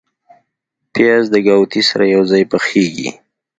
پیاز د ګاوتې سره یو ځای پخیږي